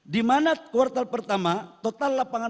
di mana kuartal pertama total lapangan